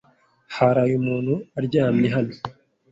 Haraye umuntu aryamye hano?